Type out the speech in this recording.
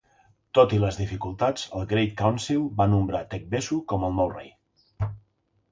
Tot i les dificultats, el Great Council va nombrar Tegbessou com al nou rei.